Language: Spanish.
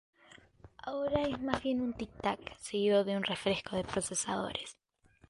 Ahora es más bien un tictac seguido de un refresco de procesadores.